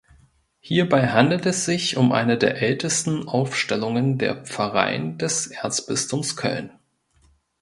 Hierbei handelt es sich um eine der ältesten Aufstellungen der Pfarreien des Erzbistums Köln.